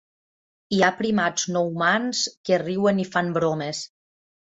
Hi ha primats no humans que riuen i fan bromes.